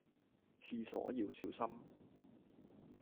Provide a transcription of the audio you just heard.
廁所要小心